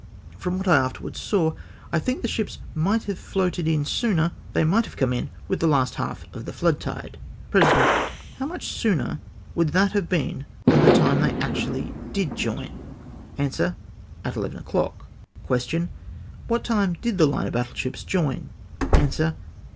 From what I afterwards saw, I think the ships might have floated in sooner — they might have come in with the last half of the flood tide." President. —" How much sooner would that have been than the time they actually did join ?" Ansiuer. —" At eleven o'clock.'^ Question. —" What time did the line of battle ships join? " Answer.